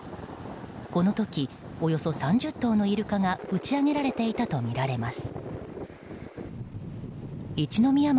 この時、およそ３０頭のイルカが打ち揚げられていたとみられます。